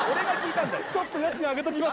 ちょっと家賃上げときます